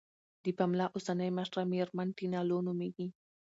د پملا اوسنۍ مشره میرمن ټینا لو نوميږي.